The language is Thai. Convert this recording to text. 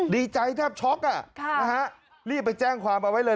ดีใจแทบช็อกรีบไปแจ้งความเอาไว้เลย